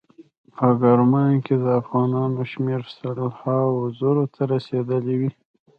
په کرمان کې د افغانانو شمیر سل هاو زرو ته رسیدلی وي.